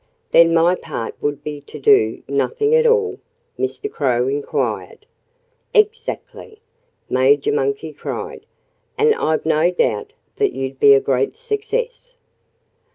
"Then my part would be to do nothing at all?" Mr. Crow inquired. "Exactly!" Major Monkey cried. "And I've no doubt that you'd be a great success."